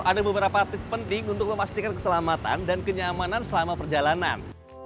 ada beberapa artik penting untuk memastikan keselamatan dan kenyamanan selama perjalanan